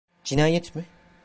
Cinayet mi?